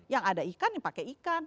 yang ada ikan yang pakai ikan